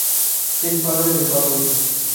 Es padre de cuatro hijos.